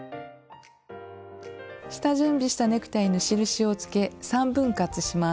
下準備したネクタイに印をつけ３分割します。